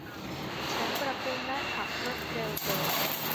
ฉันถูกปรับเพราะขับรถเร็วเกิน